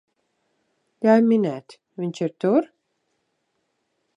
Ļauj minēt, viņš ir tur?